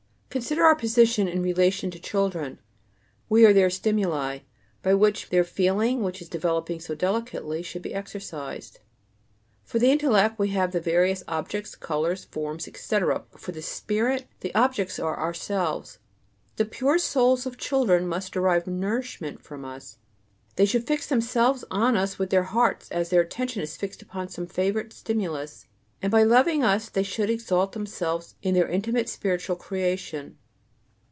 Consider our position in relation to children. We are their "stimuli," by which their feeling, which is developing so delicately, should be exercised. For the intellect, we have the various objects, colors, forms, etc.; but for the spirit, the objects are ourselves. The pure souls of children must derive nourishment from us; they should fix themselves on us with their hearts, as their attention is fixed upon some favorite stimulus; and by loving us they should exalt themselves in their intimate spiritual creation.